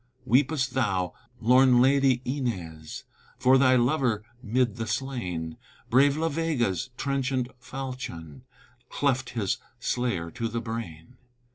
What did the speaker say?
Weepest thou, lorn lady Inez, For thy lover 'mid the slain, Brave La Vega's trenchant falchion Cleft his slayer to the brain.